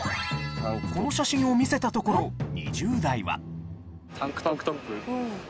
この写真を見せたところ２０代は。